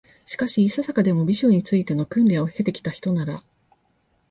しかし、いささかでも、美醜に就いての訓練を経て来たひとなら、